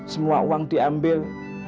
semua uang diambil